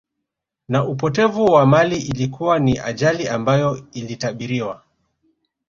Na upotevu wa mali Ilikuwa ni ajali ambayo ilitabiriwa